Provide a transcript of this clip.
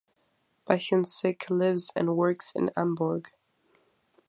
Bastian Sick lives and works in Hamburg.